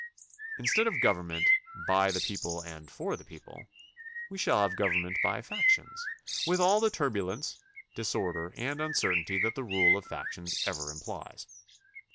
Instead of government "by the people and for the people" we shall have government by factions, with all the turbu lence, disorder, and uncertainty that the rule of fac tions ever implies.